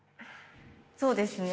そうですね。